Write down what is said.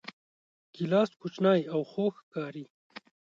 ګیلاس کوچنی او خوږ ښکاري.